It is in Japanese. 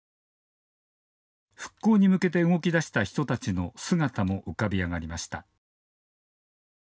復興に向けて動きだした人たちの姿も浮かび上がりました。